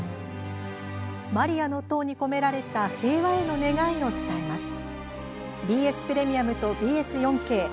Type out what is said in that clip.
マリアの塔に込められた平和への願いを伝えます。